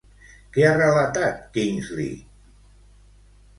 Què ha relatat, Kingsley?